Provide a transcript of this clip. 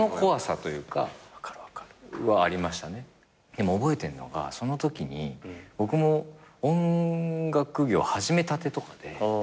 でも覚えてるのがそのときに僕も音楽業始めたてとかで。